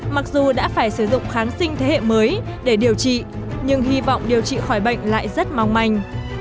mặc dù đã phải sử dụng kháng sinh thế hệ mới để điều trị nhưng hy vọng điều trị khỏi bệnh lại rất mong manh